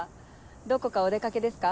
どこかお出掛けですか？